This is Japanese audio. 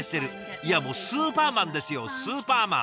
いやもうスーパーマンですよスーパーマン！